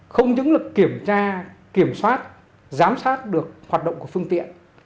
không những là kiểm tra kiểm soát giám sát được hoạt động của phương tiện